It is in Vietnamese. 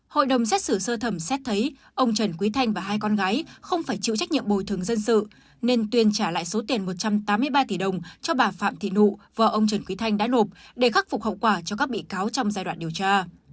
hội đồng xét xử sơ thẩm xét thấy ông trần quý thanh và hai con gái không phải chịu trách nhiệm bồi thường dân sự nên tuyên trả lại số tiền một trăm tám mươi ba tỷ đồng cho bà phạm thị nụ và ông trần quý thanh đã nộp để khắc phục hậu quả cho các bị cáo trong giai đoạn điều tra